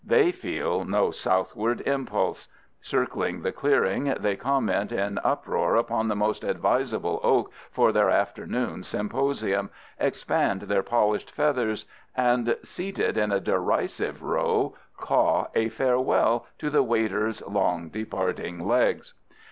They feel no southward impulse. Circling the clearing, they comment in uproar upon the most advisable oak for their afternoon symposium, expand their polished feathers, and, seated in a derisive row, caw a farewell to the wader's long, departing legs.